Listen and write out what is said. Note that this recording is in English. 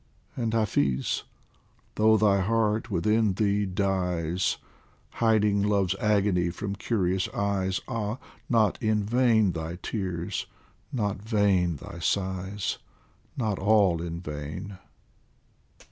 And Hafiz, though thy heart Avithin thee dies, Hiding love's agony from curious eyes, Ah, not in vain thy tears, not vain thy sighs, Not all in vain